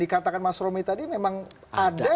dikatakan mas romi tadi memang ada